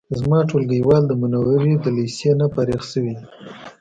زما ټولګیوال د منورې د لیسې نه فارغ شوی دی